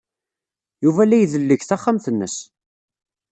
Yuba la idelleg taxxamt-nnes.